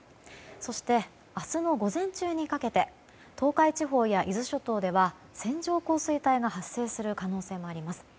そして、明日の午前中にかけて東海地方や伊豆諸島では線状降水帯が発生する可能性もあります。